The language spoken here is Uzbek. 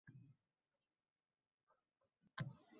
Taqdiri azaldan qochib qutulib bo`larkanmi